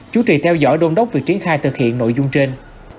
chú trì theo dõi đôn đốc việc triển khai thực hiện nội dung trên